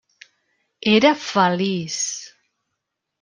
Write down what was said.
Era feliç.